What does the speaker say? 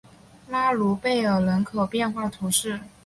拉卢贝尔人口变化图示